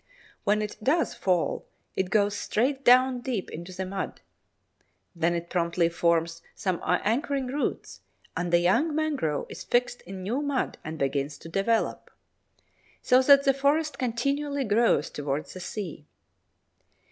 When it does fall, it goes straight down deep into the mud; then it promptly forms some anchoring roots, and the young mangrove is fixed in new mud and begins to develop. So that the forest continually grows towards the sea.